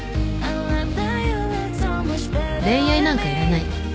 恋愛なんかいらない。